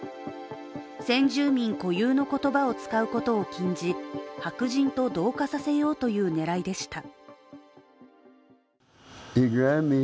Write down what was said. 先住民固有の言葉を使うことを禁じ、白人と同化させようという狙いでした。